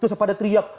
terus pada teriak